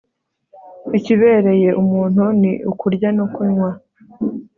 ikibereye umuntu, ni ukurya no kunywa